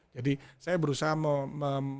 jadi saya berusaha mengkomunikasi